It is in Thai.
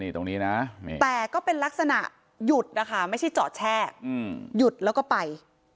ตรงนี้นะแต่ก็เป็นลักษณะหยุดนะคะไม่ใช่จอดแช่หยุดแล้วก็ไป